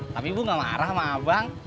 tapi ibu gak marah sama abang